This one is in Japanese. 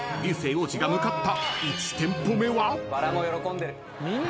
王子が向かった］